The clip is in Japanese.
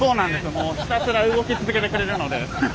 もうひたすら動き続けてくれるので。